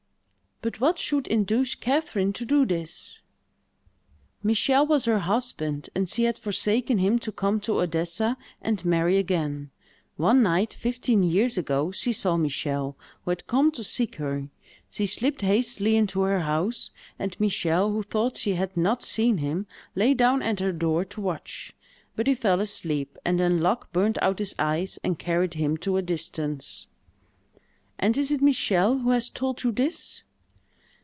"But what should induce Catherine to do this?" "Michel was her husband, and she had forsaken him to come to Odessa and marry again. One night, fifteen years ago, she saw Michel, who had come to seek her. She slipped hastily into her house, and Michel, who thought she had not seen him, lay down at her door to watch; but he fell asleep, and then Luck burnt out his eyes, and carried him to a distance." "And is it Michel who has told you this?"